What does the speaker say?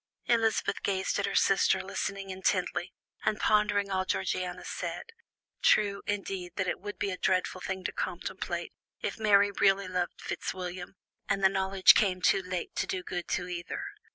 Elizabeth gazed at her sister, listening intently, and pondering all Georgiana said. True, indeed, that it would be a dreadful thing to contemplate, if Mary really loved Fitzwilliam, and the knowledge came too late to do good to either.